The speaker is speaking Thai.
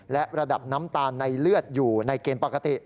และระดับน้ำตาลในเลือดอยู่ในเกณฑ์ปกติ